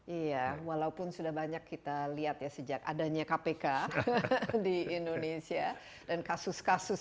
iya walaupun sudah banyak kita lihat ya sejak adanya kpk di indonesia dan kasus kasus